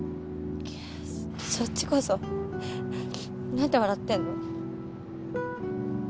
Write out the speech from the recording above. そっちこそ何で笑ってんの？